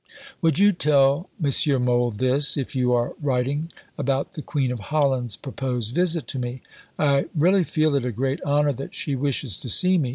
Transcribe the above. Would you tell M. Mohl this, if you are writing, about the Queen of Holland's proposed visit to me? I really feel it a great honour that she wishes to see me.